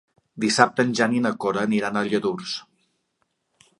Dissabte en Jan i na Cora aniran a Lladurs.